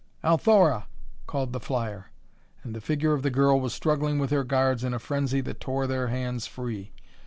"Althora!" called the flyer, and the figure of the girl was struggling with her guards in a frenzy that tore their hands free.